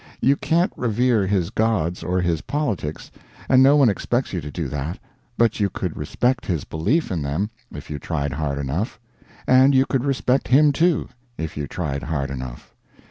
You can't revere his gods or his politics, and no one expects you to do that, but you could respect his belief in them if you tried hard enough; and you could respect him, too, if you tried hard enough.